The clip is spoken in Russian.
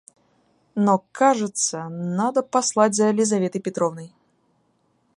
Но кажется... Надо послать за Лизаветой Петровной.